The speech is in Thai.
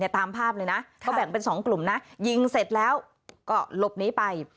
ตามภาพเลยนะก็แบ่งเป็น๒กลุ่มนะยิงเสร็จแล้วก็หลบหนีไป